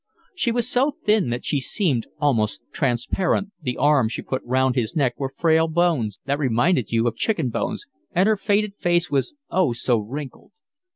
She was so thin that she seemed almost transparent, the arms she put round his neck were frail bones that reminded you of chicken bones, and her faded face was oh! so wrinkled.